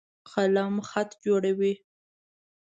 قلم خط جوړوي.